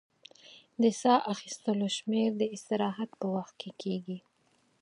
د سا اخیستلو شمېر د استراحت په وخت کې کمېږي.